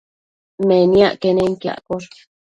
Meniac quenenquiaccosh